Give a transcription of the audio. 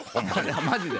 マジで。